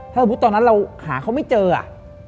ถ้าสมมุติตอนนั้นเราหาเขาไม่เจออ่ะ